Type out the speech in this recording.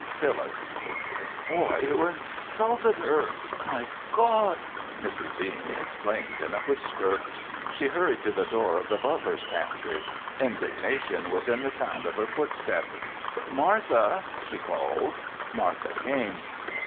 "Phyllis." "The boy who insulted her! My God!" Mrs. Bing exclaimed in a whisper. She hurried to the door of the butler's pantry. Indignation was in the sound of her footsteps. "Martha!" she called. Martha came.